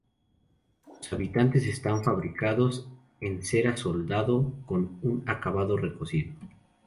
Sus gabinetes están fabricados en cera soldado, con un acabado recocido.